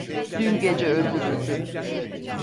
Dün gece öldürüldü.